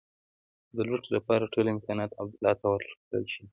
د لوټ لپاره ټول امکانات عبدالله ته ورکړل شي.